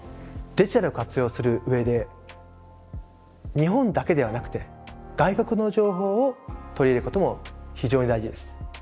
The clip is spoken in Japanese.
デジタルを活用する上で日本だけではなくて外国の情報を取り入れることも非常に大事です。